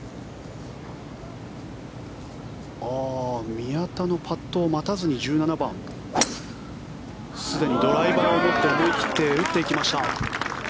宮田のパットを待たずに１７番すでにドライバーを持って思い切って打っていきました。